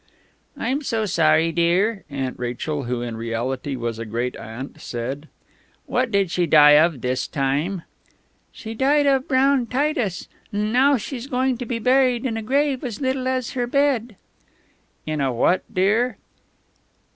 "I'm so sorry, dear," Aunt Rachel, who in reality was a great aunt, said. "What did she die of this time?" "She died of ... Brown Titus ... 'n now she's going to be buried in a grave as little as her bed." "In a what, dear?"